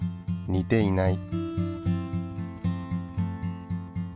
似ていない。